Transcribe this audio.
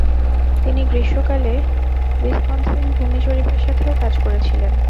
তিনি গ্রীষ্মকালে উইসকনসিন ভূমি জরিপের সাথেও কাজ করেছিলেন।